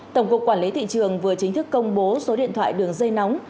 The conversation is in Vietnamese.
tổng cục quản lý thị trường vừa chính thức công bố số điện thoại đường dây nóng